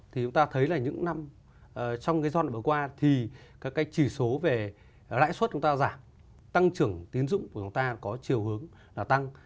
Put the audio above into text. thì chúng ta thấy là những năm trong cái giai đoạn vừa qua thì các cái chỉ số về lãi suất chúng ta giảm tăng trưởng tiến dụng của chúng ta có chiều hướng là tăng